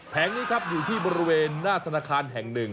นี้ครับอยู่ที่บริเวณหน้าธนาคารแห่งหนึ่ง